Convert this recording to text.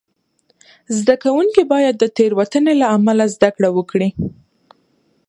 زده کوونکي باید د تېروتنې له امله زده کړه وکړي.